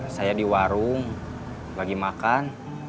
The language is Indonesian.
saya di warung lagi makan